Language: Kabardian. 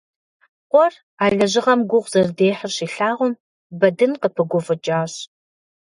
Къуэр, а лэжьыгъэм гугъу зэрыдехьыр щилъагъум, Бэдын къыпыгуфӀыкӀащ.